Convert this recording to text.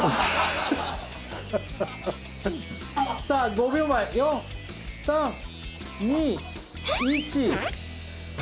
５秒前４３２１。